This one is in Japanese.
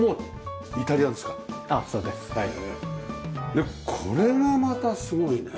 でこれがまたすごいね。